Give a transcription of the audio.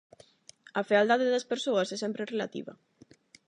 A fealdade das persoas é sempre relativa.